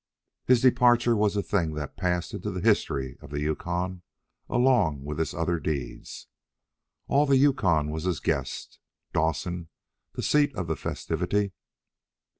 His departure was a thing that passed into the history of the Yukon along with his other deeds. All the Yukon was his guest, Dawson the seat of the festivity.